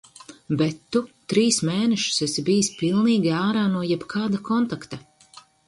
Bet tu trīs mēnešus esi bijis pilnīgi ārā no jebkāda kontakta.